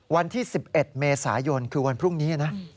วันที่๑๑เมษายนคือวันพรุ่งนี้นะ